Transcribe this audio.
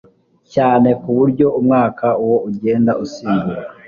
cyane ku buryo umwaka uko ugenda usimbura